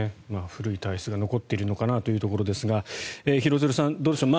古い体質が残っているのかなというところですが廣津留さんどうでしょう。